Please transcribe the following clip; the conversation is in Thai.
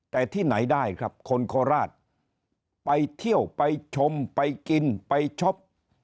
แต่ที่ไหนได้ครับคนโคราชไปเที่ยวไปชมไปกินไปช็อป